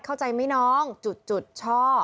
เข้าใจไหมน้องจุดช่อ